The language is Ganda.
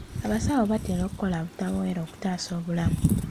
Abasawo batera okukola butaweera okutaasa obulamu.